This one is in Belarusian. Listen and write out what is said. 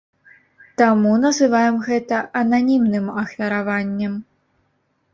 Таму называем гэта ананімным ахвяраваннем.